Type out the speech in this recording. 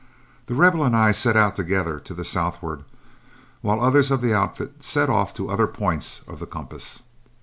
The Rebel and I set out together to the southward, while others of the outfit set off to the other points of the compass.